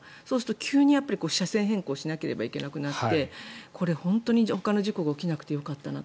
急に車線変更しなくてはいけなくなってこれ、本当にほかの事故が起きなくてよかったなと。